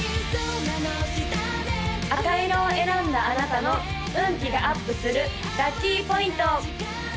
赤色を選んだあなたの運気がアップするラッキーポイント！